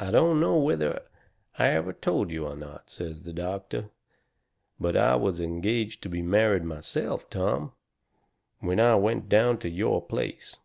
"I don't know whether I ever told you or not," says the doctor, "but I was engaged to be married myself, Tom, when I went down to your place.